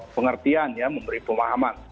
pengertian memberi pemahaman